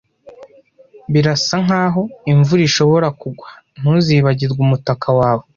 Birasa nkaho imvura ishobora kugwa, ntuzibagirwe umutaka wawe.